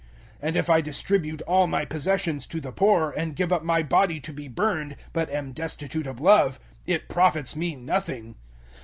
013:003 And if I distribute all my possessions to the poor, and give up my body to be burned, but am destitute of Love, it profits me nothing.